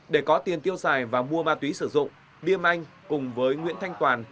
để có tiền tiêu xài và mua ma túy sử dụng liêm anh cùng với nguyễn thanh toàn